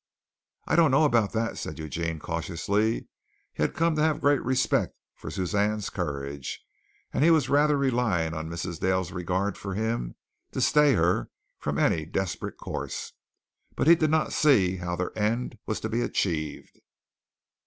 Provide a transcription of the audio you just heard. "I don't know about that," said Eugene cautiously. He had come to have great respect for Suzanne's courage, and he was rather relying on Mrs. Dale's regard for him to stay her from any desperate course, but he did not see how their end was to be achieved.